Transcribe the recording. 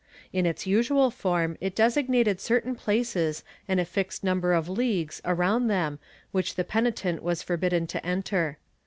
In its usual form it designated certain places and a fixed number of leagues around them, which the penitent was forbidden to enter.